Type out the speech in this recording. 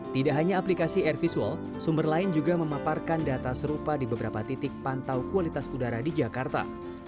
tidak hanya aplikasi air visual sumber lain juga memaparkan data serupa di beberapa titik pantau kualitas udara di jakarta